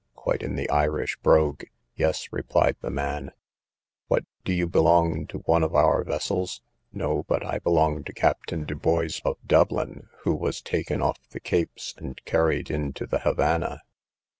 quite in the Irish brogue. Yes, replied the man: What, do you belong to one of our vessels?—No, but I belong to Captain Dubois, of Dublin, who was taken off the Capes, and carried into the Havannah.